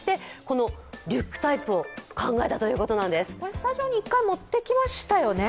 スタジオに一回持ってきましたよね。